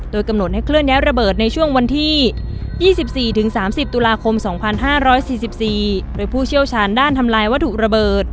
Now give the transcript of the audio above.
โดยกำหนดให้เคลื่อระเบิดในช่วงวันที่๒๔๓๐ตุลาคม๒๕๔๔โดยผู้เชี่ยวชาญด้านทำลายวัตถุระเบิด